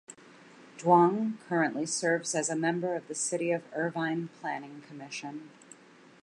Duong currently serves as a member of the City of Irvine Planning Commission.